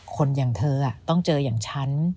คนอย่างเธอต้องเจออย่างฉัน